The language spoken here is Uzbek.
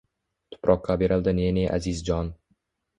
Tuproqqa berildi ne-ne aziz jon.